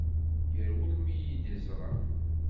Yerwel mi yi-d-yeẓra.